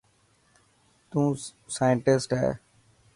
تون سانٽسٽ هي.